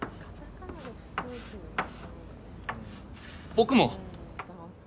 僕も。